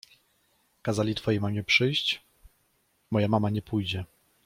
— Kazali twojej mamie przyjść? — Moja mama nie pójdzie.